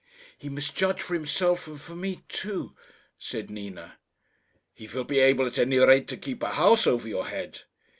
"He must judge for himself and for me too," said Nina. "He will be able, at any rate, to keep a house over your head."